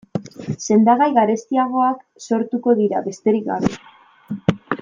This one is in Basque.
Sendagai garestiagoak sortuko dira, besterik gabe.